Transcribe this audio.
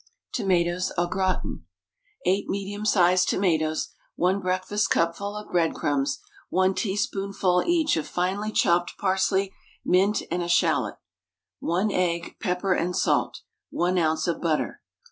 TOMATOES AU GRATIN. 8 medium sized tomatoes, 1 breakfastcupful of breadcrumbs, 1 teaspoonful each of finely chopped parsley, mint, and eschalot, 1 egg, pepper and salt, 1 oz. of butter.